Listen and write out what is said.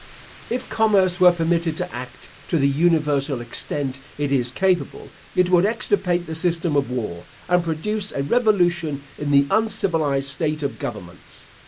If commerce were permitted to act to the universal extent it is capable, it would extirpate the system of war, and produce a revolution in the uncivilised state of governments.